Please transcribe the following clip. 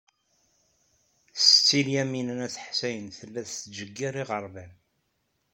Setti Lyamina n At Ḥsayen tella tettjeyyir iɣerban.